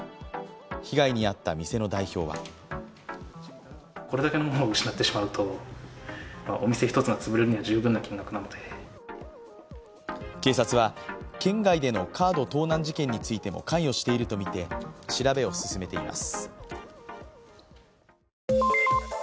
被害に遭った店の代表は警察は県外でのカード盗難事件についても関与しているとみて、調べを進めています。